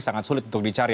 sangat sulit untuk dicari